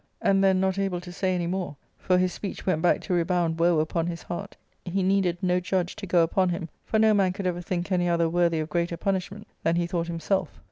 and then not able to say any more, for his speech went back to rebound woe upon his heart, he needed no judge to go upon him, for no man could ever think any other worthy of greater punishment than he thought him self.